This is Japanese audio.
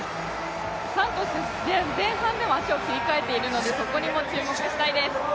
サントス、前半でも足を切り替えているのでそこにも注目したいです。